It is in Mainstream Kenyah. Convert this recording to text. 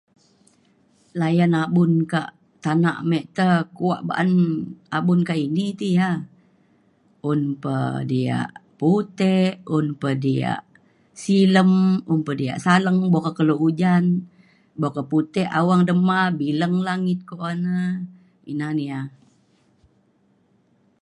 layan abun ka' tanak mik te kuak ba'an abun ka' ini ti ya un pe diak putik, un pe diak silem un pe diak saleng boka keluk ojan boka putik awang dema bileng langit ko un e pina ne ya